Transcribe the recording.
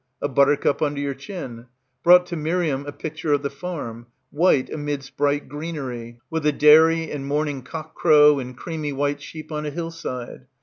A buttercup under your chin — brought to Miriam a picture of the farm, white amidst bright greenery, with a dairy and morning cock crow and creamy white sheep on a hillside.